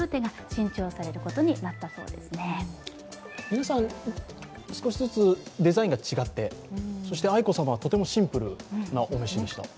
皆さん少しずつデザインが違って、愛子さまはとてもシンプルなお召し物でした。